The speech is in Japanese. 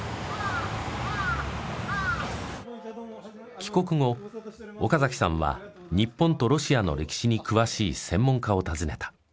帰国後岡崎さんは日本とロシアの歴史に詳しい専門家を訪ねた。